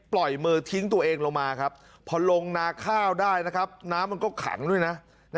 ปล่อยมือทิ้งตัวเองลงมาครับพอลงนาข้าวได้นะครับน้ำมันก็ขังด้วยนะ